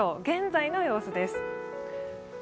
現在の様子です。